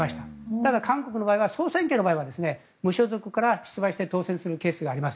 ただ、韓国の場合は総選挙の場合は無所属から出馬して当選するケースがあります。